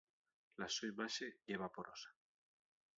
La so imaxe ye vaporosa.